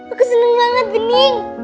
aku senang banget bening